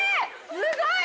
すごい！